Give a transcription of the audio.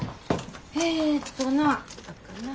えっとな。